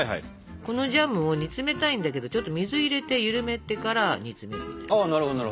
このジャムを煮詰めたいんだけどちょっと水入れて緩めてから煮詰めるみたいな。